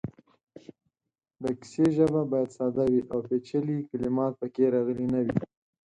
د کیسې ژبه باید ساده وي او پېچلې کلمات پکې راغلې نه وي.